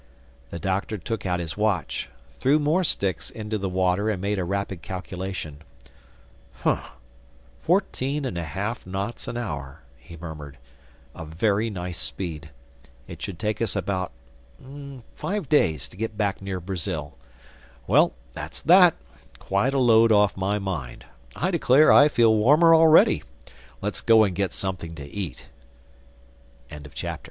The Doctor took out his watch, threw more sticks into the water and made a rapid calculation. "Humph!—Fourteen and a half knots an hour," he murmured—"A very nice speed. It should take us about five days to get back near Brazil. Well, that's that—Quite a load off my mind. I declare I feel warmer already. Let's go and get something to eat." THE FIFTH CHAPTER WAR!